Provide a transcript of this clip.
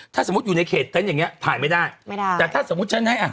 ถ้าสมมุติอยู่ในเขตเต็นต์อย่างเงี้ถ่ายไม่ได้ไม่ได้แต่ถ้าสมมุติฉันให้อ่ะ